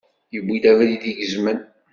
Yewwi abrid igezmen.